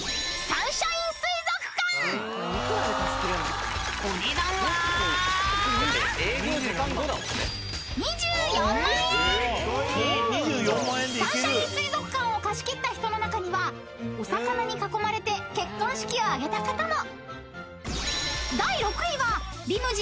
［サンシャイン水族館を貸し切った人の中にはお魚に囲まれて結婚式を挙げた方も］